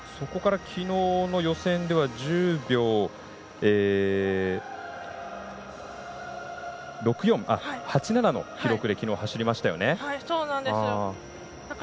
そこからきのうの予選では１０秒８７の記録で走りましたよね。